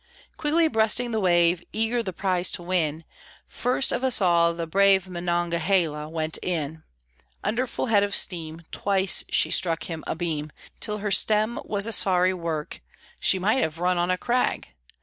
Quickly breasting the wave, Eager the prize to win, First of us all the brave Monongahela went in Under full head of steam; Twice she struck him abeam, Till her stem was a sorry work (She might have run on a crag!)